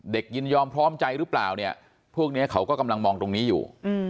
ยินยอมพร้อมใจหรือเปล่าเนี่ยพวกนี้เขาก็กำลังมองตรงนี้อยู่